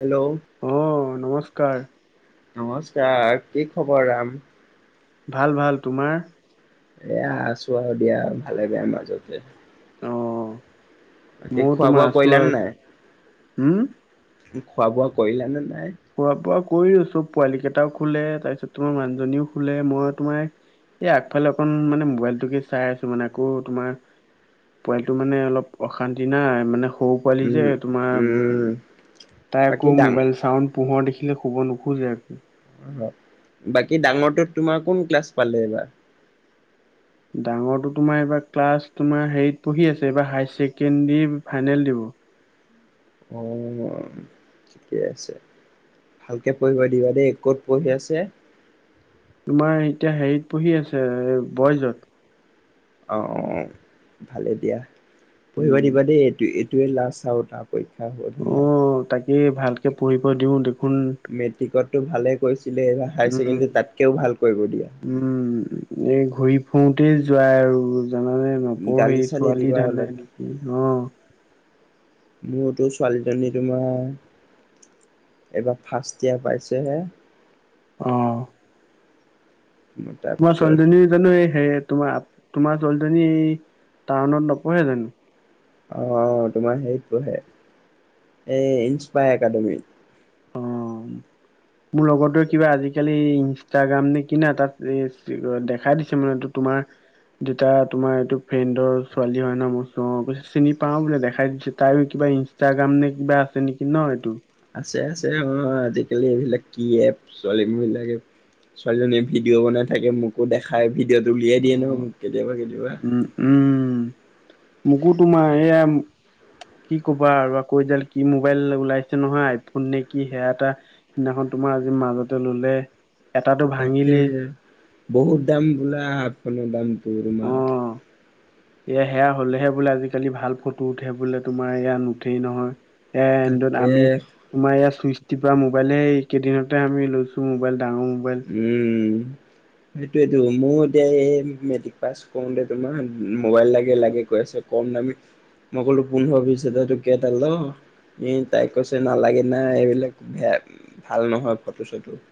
Hello অ' নমস্কাৰ। নমস্কাৰ কি খবৰ ৰাম। ভাল ভাল। তোমাৰ? এয়া আছো আৰু দিয়া ভালে বেয়াৰ মাজতে। অ' সেই ময়ো খোৱা তোমাৰ বোৱা আছো কৰিলানে আৰু নাই? উম খোৱা বোৱা কৰিলা নে নাই? খোৱা বোৱা কৰিছো। পোৱালী কেইটাও শুলে, তাৰপিছত তোমাৰ মানুহজনীও শুলে, মই তোমাৰ এই আগফালে অকণ মানে মোবাইলটোকে চাই আছো মানে আকৌ তোমাৰ পোৱালিটো মানে অলপ অশান্তি নাই মানে সৰু পোৱালি উম যে তোমাৰ উম তাই বাকী আকৌ ডাঙ ম'বাইল চাওঁন - পোহৰ দেখিলে শুব নোখোজে আকৌ। বাকী ডাঙৰটোত তোমাৰ কোন ক্লাছ পালে এইবাৰ? ডাঙৰটো তোমাৰ এইবাৰ ক্লাছ তোমাৰ হেৰিত পঢ়ি আছে এইবাৰ হাই ছেকেণ্ডাৰী ফাইনেল দিব। অ' ঠিকে আছে। ভালকৈ পঢ়িব দিবা দেই। ক'ত পঢ়ি আছে? তোমাৰ এতিয়া হেৰিত পঢ়ি আছে বইজত। অ' অ' ভালে দিয়া। পঢ়িবা উম দিবা দেই এইটো এইটোৱে লাষ্ট আৰু তাৰ। পৰীক্ষা হ'ব ধুনীয়া। এই ভালকে পঢ়িব দিওঁ দেখোন। মেট্ৰিকতটো ভালে কৰিছিলে, এইবাৰ হায়াৰ উম, ছেকেণ্ডৰীত তাতকেও ভাল কৰিব দিয়া। উম, এই ঘূৰি ফুুৰতেই যোৱা আৰু। জানানে গালি নপঢ়েই চালি ছোৱালী দিবা অলপ ধান্ডাই নেকি অ। মোৰতো ছোৱালীজনী তোমাৰ এইবাৰ ফাৰ্ষ্ট ইয়াৰ পাইছেহে। অ তোমাৰ তাৰপিছত ছোৱালীজনী জানো এই সে তোমাৰ-তোমাৰ ছোৱালীজনী টাউনত নপঢ়ে জানো! অ-অ তোমাৰ হেৰিত পঢ়ে এই ইনস্পাই একাডেমি। অ', [inaudible] মোৰ লগতে কিবা আজিকালি ইনষ্টাগ্ৰাম নে কি না তাত এ দেখাই দিছে মানে তোমাৰ যেতিয়া তোমাৰ এইটো ফ্ৰেণ্ডৰ ছোৱালী হয় ন মই কৈছো অ চিনি পাওঁ বোলে দেখাই দিছে তাই কিবা ইনষ্টাগ্ৰাম নে কিবা আছে নেকি ন এইটো। আছে-আছে অ আজিকালি এইবিলাক কি এপ ছোৱালী বিলাকে ছোৱালীজনীয়ে ভিডিঅ' বনাই থাকে, মোকো দেখাই, ভিডিঅট উলিয়াই অ' দিয়ে নহয় মোক উম, কেতিয়াবা-কেতিয়াবা। উম মোকো তোমাৰ এয়া কি ক'বা আৰু আকৌ এইডাল কি মোবাইল ওলাইছে নহয় আইফোন নে কি সেয়া এটা সিদিনাখন তোমাৰ আজি মাজতে ললে। এটাটো ভাঙিলেই তাকেহে বহুত দাম বোলা আইফোনৰ দামটো তোমাৰ। অ'। এয়া সেয়া হলেহে বোলে আজিকালি ভাল ফটো উঠে বোলে তোমাৰ এয়া নুঠেই নহয়। এন্দত তাকে আমি তোমাৰ এয়া চুইচ টিপা মোবাইল এই কেইদিনতে আমি লৈছো মোবাইল ডাঙৰ মোবাইল৷ উম সেইটোৱেইটো মোৰ এতিয়া এই মেট্ৰিক পাছ কৰোতে তোমাৰ মোবাইল লাগে-লাগে কৈ আছে কম দামি মই ক'লো পোন্ধৰ বিশ হাজাৰ টকিয়া এটা ল৷ এ তাই কৈছে নালাগে না এইবিলাক বেয়া ভাল নহয় ফটো চটো৷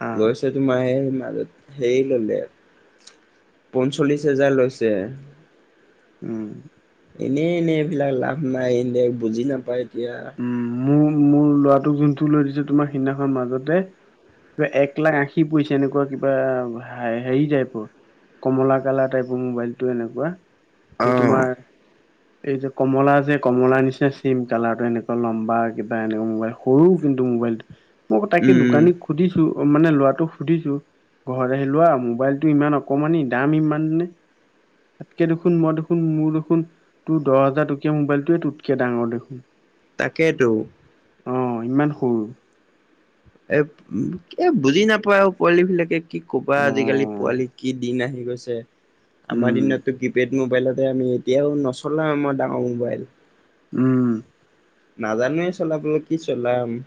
হা লৈছে তোমাৰ সেই মাজত সেই ললে। পঞ্চল্লিশ হাজাৰ লৈছে। উম, এনেই এনে এইবিলাক লাভ নাই। ইন দে বুজি নাপায় এতিয়া। উম, মো মো মোৰ ল'ৰাটোক যোনটো লৈ দিছে তোমাৰ সিদিনাখনৰ মাজতে কিবা এক লাখ আশী পইচা এনেকুৱা কিবা হেৰি টাইপৰ৷ কমলা কালাৰ টাইপৰ মোবাইলটো এনেকুৱা, অ এই তোমাৰ এই যে কমলা যে কমলা নিচে চেম কালাৰটো এনেকুৱা লম্বা কিবা এ মোবাইল সৰু কিন্তু মোবাইলটো মই উম তাকে উম দোকানীক সুধিছো, মানে লৰাটো সুধিছো। ঘৰত আহিলোৱা মোবাইলটো ইমান অকমানি দাম ইমান নে৷ তাতকে দেখোন মই দেখোন মোৰ দেখোন তোৰ দহ হাজাৰ টকীয়া মোবাইলটোৱে তোতকে ডাঙৰ দেখোন৷ তাকেতো৷ অ ইমান সৰু৷ এ-এ বুজি নাপায় আৰু পোৱালি বিলাকে৷ কি ক'বা অ আজিকালি পোৱালি কি দিন আহি গৈছে৷ আমাৰ উম দিনতো কিপেড মোবাইলতে আমি এতিয়াও নচলাও আমাৰ ডাঙৰ উম মোবাইল উম। নাজানোৱে চলাবলৈ কি চলাম৷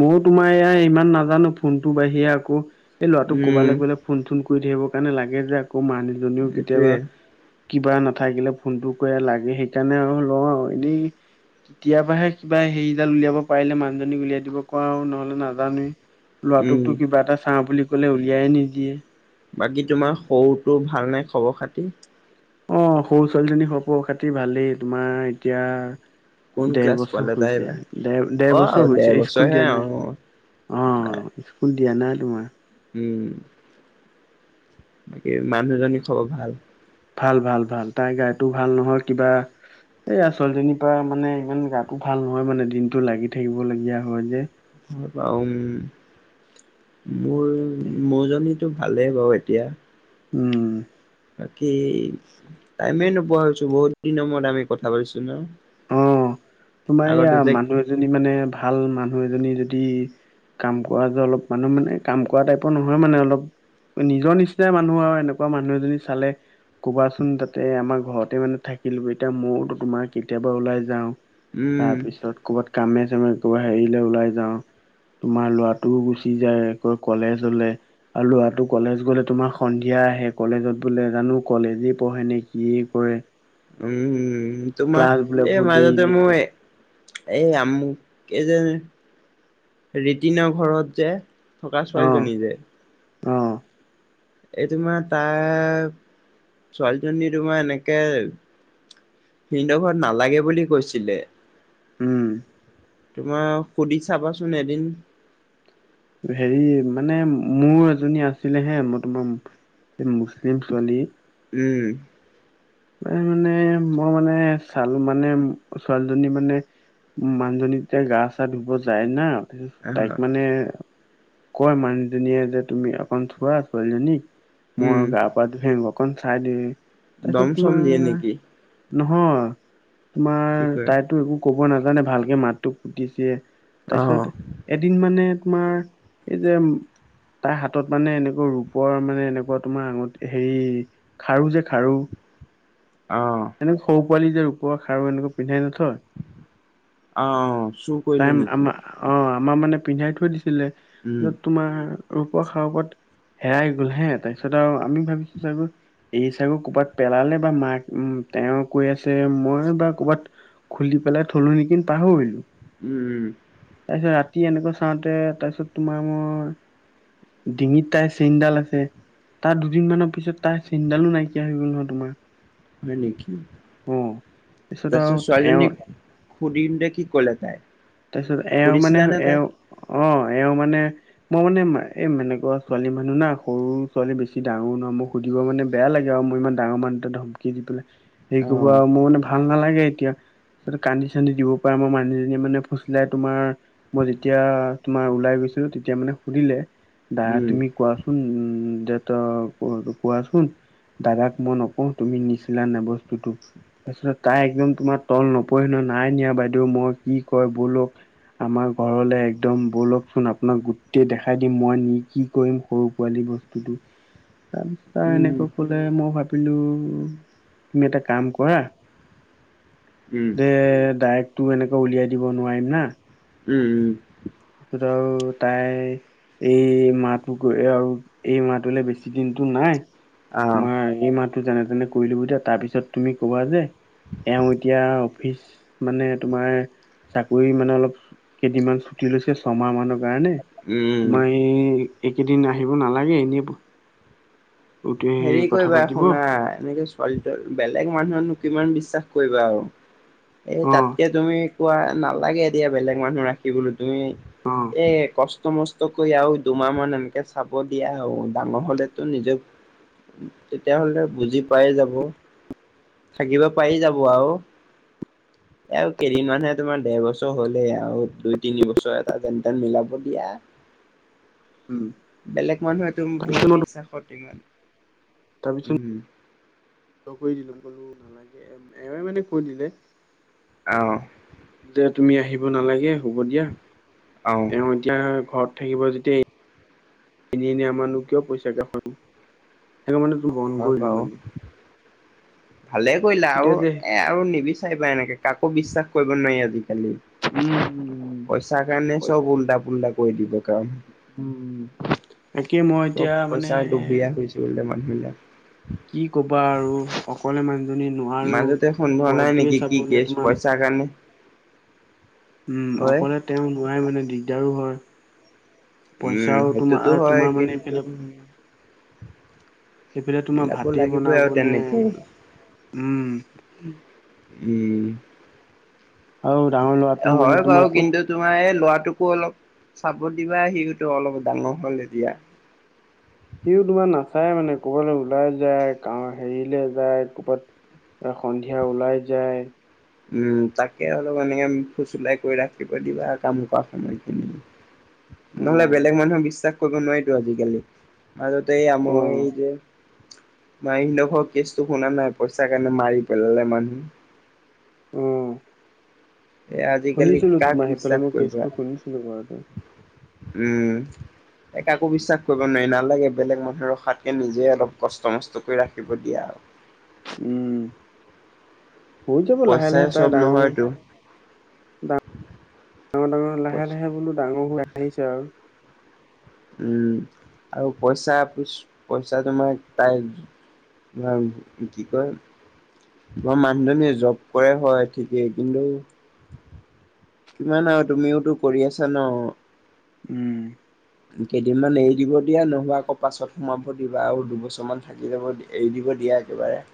ময়ো তোমাৰ এয়া ইমান নাজানো ফোনটো বাহিৰে আকৌ এই ল'ৰাটোক উম কবালৈ গ'লে ফোন চোন কৰি থাকিবৰ কাৰণে লাগে যে আকৌ মানুহজনীও সেইটোৱে কেতিয়াবা কিবা নাথাকিলে ফোনটো কৰি লাগে সেইকাৰণে আৰু লওঁ আৰু এনেই কেতিয়াবাহে কিবা হেৰিডাল উলিয়াব পাৰিলে মানুহজনীক উলিয়াই দিব নহলে নাজানোয়েই উম লৰাটোক কিবা এটা চাওঁ বুলি কলে উলিয়াই নিদিয়ে৷ বাকী তোমাৰ সৰুটো ভাল নে খবৰ খাতি৷ অ সৰু ছোৱালীজনী খব খাতি ভালেই তোমাৰ এতিয়া কোন দেৰ ক্লাছ বছৰ পালে তাই হৈছে এইবাৰ দেৰ-দেৰ অ বছৰ ডেৰ হৈছে স্কুল বছৰহে দিয়া অ নাই৷ নাই অ-অ স্কুল দিয়া নাই তোমাৰ উম বাকি মানুহজনী খবৰ ভাল? ভাল ভাল ভাল তাই গাতো ভাল নহয় কিবা- এই ছোৱালী জনীৰ পৰা মানে ইমান গাটো ভাল নহয় মানে দিনটো লাগি থাকিব লগগীয়া হয় যে। তাৰপা মোৰ মোৰজনী ভালেই বাৰু এতিয়া উম বাকী টাইমেই নোপোৱা হৈছো বহুত দিনৰ মূৰত আমি কথা পাতিছো ন। অ তোমাৰ আগতে এইয়া যে মানুহ এজনী মানে ভাল মানুহ এজনী যদি- কাম কৰা যে অলপ মানুহ মানে কাম কৰা টাইপৰ নহয় মানে অলপ- নিজৰ নিচিনাই মানুহ আৰু এনেকুৱা মানুহ এজনী চালে- ক'বাচোন তাতে আমাৰ ঘৰতে মানে থাকিলো এতিয়া ময়তো তোমাৰ কেতিয়াবা ওলাই যাওঁ। উম তাৰ পিছত কৰ'ৰবাত কামে চামে কৰবাত হেৰিলৈ ওলাই যাওঁ। তোমাৰ ল'ৰাটোও গুচি যায় আকৌ কলেজলে। আৰু ল'ৰাটো কলেজ গলে তোমাৰ সন্ধিয়া আহে, কলেজত বোলে জানো কলেজে পঢ়ে নেকি- কি কৰে। উম তোমাৰ ক্লাছ বোলে এই বহুত দেৰি মাজতে দেৰি মই- এই আমুক এই যে ৰিতিনৰ ঘৰত যে- থকা অ ছোৱালীজনী যে- অ এই তোমাৰ তাৰ ছোৱালীজনী তোমাৰ এনেকে- ভিনদেউ ঘৰত নালাগে বুলি কৈছিলে। উম। তোমাৰ সুধি চাবাচোন এদিন। হেৰি মানে মোৰ এজনী আছিলে হে মই তোমাৰ- এই মুছলিম ছোৱালী। উম ম মানে মই মানে চালো মানে ছোৱালীজনী মানে- উ মানুহজনী তেতিয়া গা চা ধুব যায় না তাইক আহ মানে- কয় মানুহজনীয়ে যে তুমি অকন চোৱা ছোৱালীজনীক মই উম গা- বাট ভেং অকখন চাইডে - দম চম দিয়ে নেকি? নহয় কি তোমাৰ কয় তাইতো একো- ক'ব নাজানে ভালকে মাতটো পুতিছে আহ তাৰপিছত এদিন মানে তোমাৰ এই যে তাৰ হাতত মানে এনেকুৱা ৰূপৰ মানে এনেকুৱা তোমাৰ আঙঠ হেৰি খাৰো যে খাৰু। অঁ এনেকে সৰু পোৱালি যে ৰূপৰ খাৰু এনেকুৱা পিন্ধাই নথয়। অঁ অঁ চুৰ কৰিলে নেকি? অঁ আমাৰ মানে পিন্ধাই থৈ দিছিলে উম ত তোমাৰ ৰূপৰ খাৰু পাত হেৰাই গ'ল হে তাৰপিছত আৰু আমি ভাবিছো চাগে এই চাগৈ ক'ৰবাত পেলালে বা মাক উম তেওঁ কৈ আছে মই বা ক'বাত খুলি পেলাই থলো নেকি পাহৰিলোঁ। উম উম। তাৰপিছত ৰাতি এনেকুৱা চাওঁতে তাৰপিছত তোমাৰ মই- ডিঙিত তাই চেইনডাল আছে। তাৰ দুদিন মানৰ পিছত তাৰ চেইনডালো নাইকিয়া হৈ গল নহয় তোমাৰ। হয় নেকি, অ তাৰপিছত তাৰপিছত আৰু এওঁ ছোৱালজনী সুধিনতে কি কলে তাই? তাৰপিছত এওঁ মানে সুধিছিলা নে তাইক এওঁ অঁ এওঁ মানে- মই মানে এ এনেকুৱা ছোৱালী মানুহ না সৰু ছোৱালী বেছি ডাঙৰ নহ মোৰ সুধিব মানে বেয়া লাগে আৰু। মই ইমান ডাঙৰ মানুহটোৱে ধমকি দি পেলাই হেৰি কৰিব আহ আৰু মোৰ মানে ভাল নালাগে এতিয়া তাৰপাছত কান্দি চান্দি দিব পাৰে আমাৰ মানুহজনীয়ে মানে ফুচুলাই তোমাৰ মই যেতিয়া তোমাৰ ওলাই গৈছিলো তেতিয়া মানে সুধিলে দা উম তুমি কোৱাচোন উম যে ত' কোৱাচোন দাদাক মই নকওঁ। তুমি নিছিলা নাই বস্তুটো? তাৰপিছত তাই একদম তোমাৰ তল নপৰে নহয় নাই নিয়া বাইদেউ মই কি কয় ব'লক আমাৰ ঘৰলে একদম বলকচোন আপোনাক গোটেই দেখাই দিম। মই নি কি কৰিম সৰু পোৱালি বস্ তুটো? তাৰপিছত আৰু উম এনেকৈ কলে মই ভাবিলো তুমি এটা কাম কৰা উম দে দাইৰেক্টটো এনেকে উলিয়াই দিব নোৱাৰিম না উম উম। সেইটোত আৰু তাই এই মাহটো গৈ আৰু এই মাহটোলে বেছি দিনতো নাই। আহ তোমাৰ এই মাহটো যেনে-তেনে কৰি লব দিয়া তাৰপিছত তুমি ক'বা যে এওঁ এতিয়া অফিচ মানে তোমাৰ চাকৰি মানে অলপ কেইদিনমান চু টি লৈছে ছমাহ মানৰ কাৰণে। উম। তোমাৰ এই এইকেইদিন আহিব নালাগে এনেই পই হেৰি কৰিবা পাতিব শুনা অ এনেকে চু বেলেগ মানুহকনো কিমান বিশ্বাস কৰিবা আৰু। এই তাতকে তুমি কোৱা নালাগে এতিয়া বেলেগ মানুহ ৰাখিবলৈ তুমি উম। এই কষ্ট-মষ্ট কৰি আৰু দুমাহ মান এনেকে চাব দিয়া আৰু ডাঙৰ হ'লেতো নিজৰ তেতিয়াহলে বুজি পাই যাব। থাকিব পাৰি যাব আৰু। এ আৰু কেইদিনমানহে তোমাৰ দেৰ বছৰ হ'লে আৰু দুই তিন বছৰ এটা যেন তেন মিলাব দিয়া। উম বেলেগ মানুহেতো মো তাৰপিছত তোমাক মই বিশ্বাসত ইমান উম। ত' কই দিলো কলো নালাগে। এৱে মানে কৈ দিলে। অ। যে তুমি আহিব নালাগে হ'ব দিয়া। আহ এওঁ এতিয়া ঘৰত থাকিব যেতিয়া এনে এনে আমাৰনো কিয় পইচা [unintelligible] সেইকাৰণে মানে বন্ধ হয় কৰিলো বাৰু মানে। ভালে কৰিলা আৰু এতিয়া যে এ আৰু নিবিচাৰিবা এনেকে কাকো বিশ্বাস কৰিব নোৱাৰি আজিকালি। উম পইচা কাৰণে পইচা চব উল্টা-পুল্টা কৰি দিব কাম। উম। তাকে মই এতিয়া চব মানে পইচাৰ লুভীয়া হৈছে বোলে মানুহবিলাক। কি কবা আৰু অকলে মানুহজনী নোৱাৰো। মাজতে পোৱালীটোয়ে চাব নে তোমাৰ সেইকাৰণে উম অকলে তেওঁ নোৱাৰে মানে দিগদাৰো হয়। উম পইচাও সেইটোতো তোমাৰ হয় তোমাৰ মানে কিন্তু এইফালে সেইপিনে তোমাৰ মিলাব ভাতেই লাগিবই আৰু বনাবনে, তেনেকে। উম। উম। আৰু ডাঙৰ ল'ৰাটো মানে হয় বাৰু তোমাৰ ক'ত কিন্তু তোমাৰ এই ল'ৰাটোকো অলপ চাব দিবা সিয়োটো অলপ ডাঙৰ হ'ল এতিয়া। সিও তোমাৰ নাচায় মানে ক'বালৈ ওলাই যায় কাম হেৰিলে যায় ক'বাত এ সন্ধিয়া ওলাই যায়। উম তাকে অলপ এনেকে ফুচুলাই কৰি ৰাখিব দিবা আৰু কাম কৰা সময়খিনিত। নহ'লে অ', বেলেগ মানুহক বিশ্বাস কৰিব নোৱাৰিতো আজিকালি মাজতে আমাৰ অ', এই যে মাইনডভৰ কেষ্টো শুনা নাই পইচাৰ কাৰণে মাৰি পেলালে মানুহ অ এ আজিকালি শুনিছিলো কাক তোমাৰ সেইফালে বিশ্বাস মই কেচটো কৰিবা, শুনিছিলো বাৰুতে উম এ কাকো বিশ্বাস কৰিব নোৱাৰি নালাগে বেলেগ মানুহৰ ৰখাতকে নিজে অলপ কষ্ট মষ্ট কৰি ৰাখিব দিয়া আৰু উম, হৈ যাব লাহে পইচাই লাহে তাই চব ডাঙৰ নহয়তো ডাঙ ডাঙৰ ডাঙৰ লাহে লাহে বোলো ডাঙৰ হৈ আহিছে আৰু উম আৰু পইচা পছ পইচা তোমাৰ টাইল ন কি কয় মোৰ মানুহজনীয়ে জব কৰে হয় ঠিকেই কিন্তু কিমান আৰু তুমিওতো কৰি আছা ন উম কেইদিনমান এৰি দিব দিয়া নহবা আকৌ পাছত সোমাব দিবা আৰু দুবছৰমান থাকি যাব দি এৰি দিব দিয়া একেবাৰে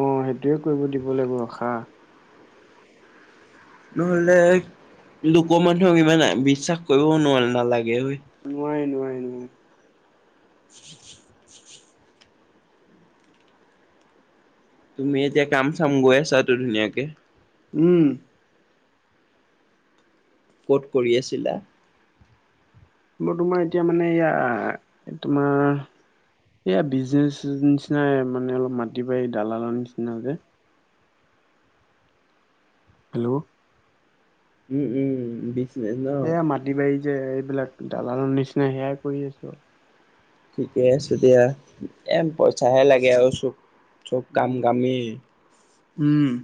অ সেইটোয়ে কৰিব দিব লাগিব ৰখা নহ'লে লোকৰ মানুহক ইমান বিশ্বাস কৰিব নোৱাৰা নালাগে ঐ নোৱাৰি নোৱাৰি ন [unintelligible] তুমি এতিয়া কাম চাম গৈ আছাতো ধুনীয়াকে উম ক'ত কৰি আছিলা? মোৰ তোমাৰ এতিয়া মানে ইয়া তোমাৰ এইয়া বিজনেছৰ নিচিনাই মানে অলপ মাটি বাৰী দালালৰ নিচিনাকে হেল্ল' উম উ বিছ এইয়া মাটি বাৰী যে এইবিলাক দালালৰ নিচিনা সেয়াই কৰি আছো ঠিকে আছে দিয়া এ পইচাহে লাগে আৰু চব চব কাম উম কামেই উম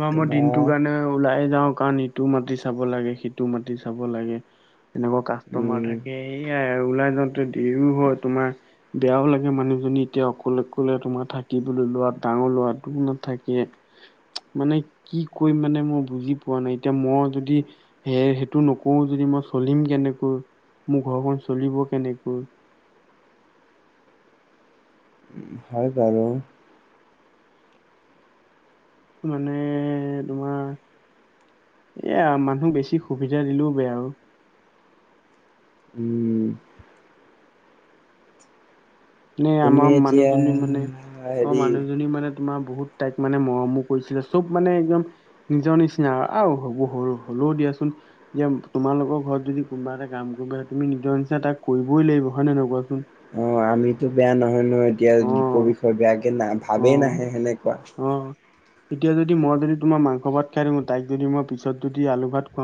বা মই দিনটো তোমাৰ কাৰণে ওলাইে যাও কাৰণ ইটো মাটি চাব লাগে সিটো মাটি চাব লাগে তেনেকোৱা কাষ্টমাৰ উম থাকে এয়াই আৰু ওলাই যাওতে দেৰিও হয় তোমাৰ বেয়াও লাগে মানুহজনী এতিয়া অকলে অকলে তোমাৰ থাকিবলৈ লোৱা ডাঙৰ লৰাটোও নাথাকে মানে কি কৰিম মানে মই বুজি পোৱা নাই এতিয়া মই যদি সে সেইটো নকৰো যদি মই চলিম কেনেকৈ মোৰ ঘৰখন চলিব কেনেকৈ হয় বাৰু। মানে তোমাৰ। এয়া মানুহক বেছি সুবিধা দিলেও বেয়া আৰু। উম নে তুমি আমাৰ এতিয়া মানুহজনী মানে অ হেৰি মানুহজনী মানে তোমাৰ বহুত তাইক মানে মৰমো কৰিছিলে চব মানে একদম নিজৰ নিচিনা আও হ'ব সৰু হলেও দিয়াচোন এতিয়া তোমালোকৰ ঘৰত যদি কোনোবা এটা কাম কৰিব তুমি নিজৰ নিচিনা তাক কৰিবই লাগিব হয় নে নহয় কোৱাচোন? অ আমিতো বেয়া নহয় নহয় এতিয়া অ লোকৰ বিষয়ে বেয়াকে না অ ভাৱেই নাহে সেনেকোৱা। অ এতিয়া যদি মই যদি তোমাৰ মাংস ভাত খাই থাকো তাইক যদি মই পিছত যদি আলু ভাত খোৱাও